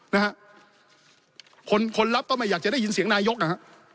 นะฮะคนคนรับก็ไม่อยากจะได้ยินเสียงนายกนะฮะ